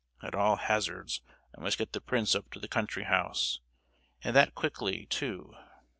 —At all hazards, I must get the prince to the country house, and that quickly, too!